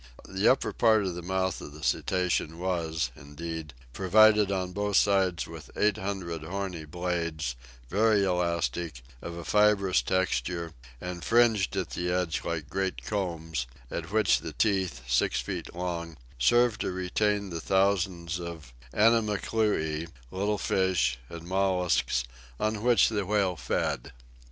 The upper part of the mouth of the cetacean was, indeed, provided on both sides with eight hundred horny blades, very elastic, of a fibrous texture, and fringed at the edge like great combs, at which the teeth, six feet long, served to retain the thousands of animalculae, little fish, and molluscs, on which the whale fed.